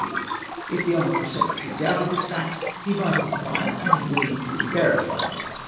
If the honourable secretary doubted this fact, he might inquire, and he would easily verify it.